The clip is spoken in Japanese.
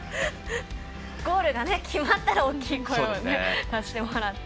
ゴールが決まったら大きい声を出してもらって。